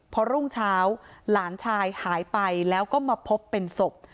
พอรุ่งเช้าหลานชายหายไปแล้วก็มาพบเป็นศพ